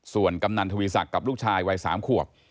ส่วนกำนันทวีศักดิ์กับลูกชายวัย๓ขวบ